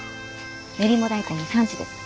練馬大根の産地です。